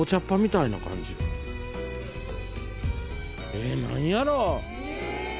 え何やろ？